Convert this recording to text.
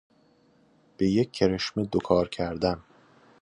به یک کرشمه دو کار کردن